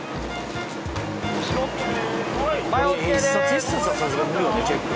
一冊一冊はさすがに無理よねチェック。